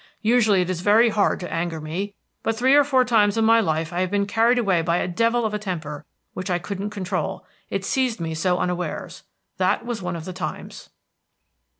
Usually it is very hard to anger me; but three or four times in my life I have been carried away by a devil of a temper which I couldn't control, it seized me so unawares. That was one of the times."